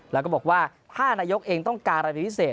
แล้วก็บอกว่าถ้านายกเองต้องการอะไรเป็นพิเศษ